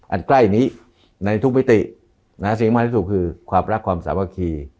อันใกล้นี้ในทุกวิธีนะสิ่งที่ผมรู้สึกคือความรักความสามารถคีย์